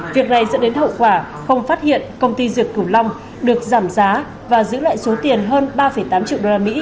việc này dẫn đến hậu quả không phát hiện công ty dược cửu long được giảm giá và giữ lại số tiền hơn ba tám triệu usd